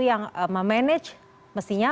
yang memanage mestinya